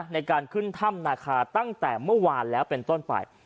ในการขึ้นถ้ำนาคาตั้งแต่เมื่อวานแล้วเป็นต้นไป